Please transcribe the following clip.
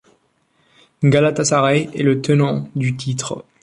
Galatasaray est le tenant du titre.